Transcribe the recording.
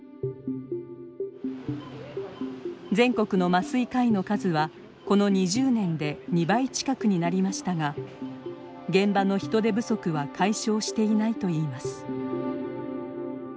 全国の麻酔科医の数はこの２０年で２倍近くになりましたが現場の人手不足は解消していないといいます。